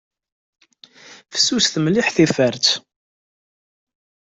Fessuset mliḥ tifart.